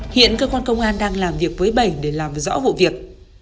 hiện cơ quan công an đang làm việc với bảy để làm rõ vụ việc